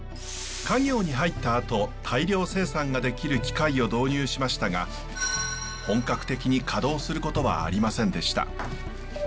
家業に入ったあと大量生産ができる機械を導入しましたが本格的に稼働することはありませんでした。